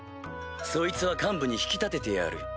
そいつは幹部に引き立ててやる。